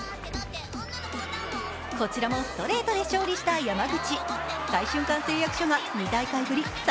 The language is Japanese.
こちらもストレートで勝利した山口。